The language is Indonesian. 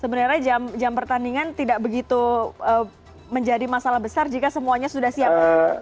sebenarnya jam pertandingan tidak begitu menjadi masalah besar jika semuanya sudah siap